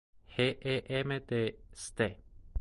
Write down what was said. G. E. M. de Ste.